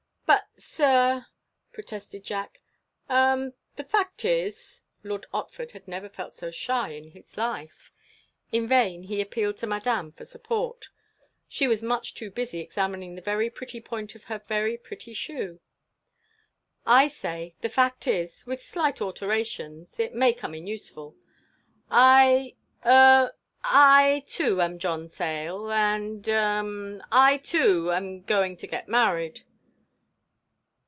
"But, sir!" protested Jack. "Um—the fact is—" Lord Otford had never felt so shy in his life. In vain he appealed to Madame for support; she was much too busy examining the very pretty point of her very pretty shoe. "I say, the fact is—with slight alterations—it may come in useful. Er—I, too, am John Sayle—and—um—I, too, am going to get married."